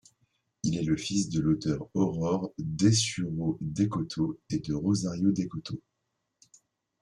Il est le fils de l’auteure Aurore Dessureault-Descôteaux et de Rosario Descôteaux.